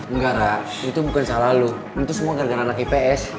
enggak ra itu bukan salah lu itu semua gara gara anak ips